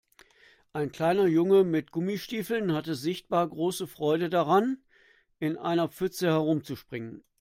Ein kleiner Junge mit Gummistiefeln hatte sichtbar große Freude daran, in einer Pfütze herumzuspringen.